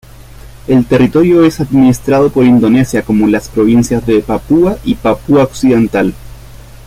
El territorio es administrado por Indonesia como las provincias de Papúa y Papúa Occidental.